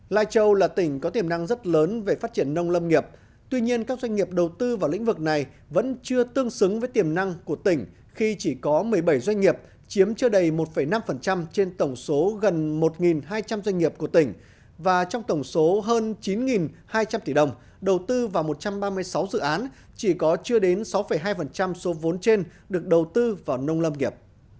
lai châu là tỉnh có tiềm năng rất lớn về phát triển nông lâm nghiệp tuy nhiên các doanh nghiệp đầu tư vào lĩnh vực này vẫn chưa tương xứng với tiềm năng của tỉnh khi chỉ có một mươi bảy doanh nghiệp chiếm chưa đầy một năm trên tổng số gần một hai trăm linh doanh nghiệp của tỉnh và trong tổng số hơn chín hai trăm linh tỷ đồng đầu tư vào một trăm ba mươi sáu dự án chỉ có chưa đến sáu hai số vốn trên được đầu tư vào nông lâm nghiệp